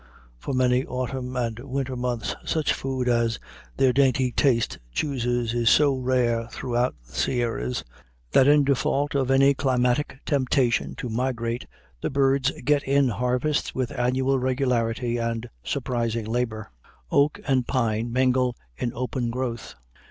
For many autumn and winter months such food as their dainty taste chooses is so rare throughout the Sierras that in default of any climatic temptation to migrate the birds get in harvests with annual regularity and surprising labor. Oak and pine mingle in open growth.